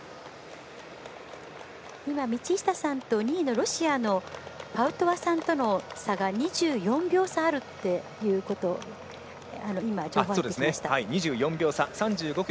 道下さんと２位のロシアのパウトワさんとの差が２４秒差あるっていうこと情報が入ってきました。